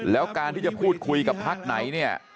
แล้วการที่จะพูดคุยกับพักไหนเนี่ย